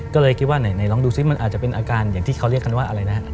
ก็เลยคิดว่าไหนลองดูซิมันอาจจะเป็นอาการอย่างที่เขาเรียกกันว่าอะไรนะ